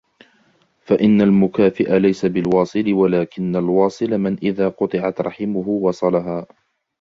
فَإِنَّ الْمُكَافِئَ لَيْسَ بِالْوَاصِلِ وَلَكِنَّ الْوَاصِلَ مَنْ إذَا قُطِعَتْ رَحِمُهُ وَصَلَهَا